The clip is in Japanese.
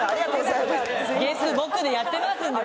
月木でやってますんで。